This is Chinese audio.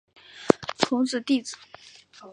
孔子弟子。